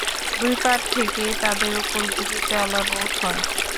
দুই পাড় থেকেই তাদের উপর গুলি চালানো হয়।